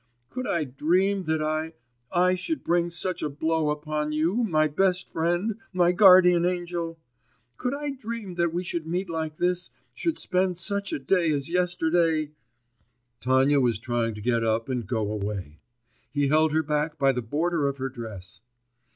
Could I dream that I ... I should bring such a blow upon you, my best friend, my guardian angel?... Could I dream that we should meet like this, should spend such a day as yesterday!...' Tatyana was trying to get up and go away. He held her back by the border of her dress.